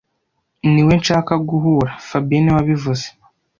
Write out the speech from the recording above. Ni we nshaka guhura fabien niwe wabivuze